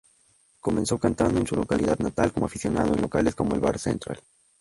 Comenzó cantando en su localidad natal como aficionado, en locales como el Bar Central.